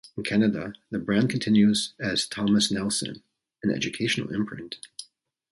In Canada, the brand continues as Thomson Nelson, an educational imprint.